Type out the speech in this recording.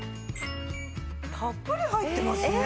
たっぷり入ってますね！